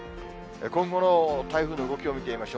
今後の台風の動きを見てみましょう。